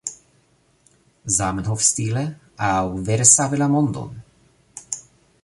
Zamenhof-stile? aŭ vere savi la mondon?